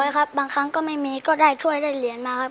ครับบางครั้งก็ไม่มีก็ได้ถ้วยได้เหรียญมาครับ